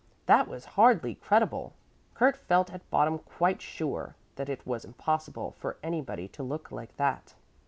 That was hardly credible. Kurt felt at bottom quite sure that it was impossible for anybody to look like that.